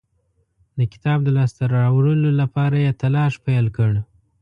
د کتاب د لاسته راوړلو لپاره یې تلاښ پیل کړ.